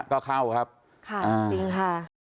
ก็เข้าครับค่ะจริงค่ะ